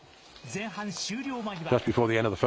前半終了間際。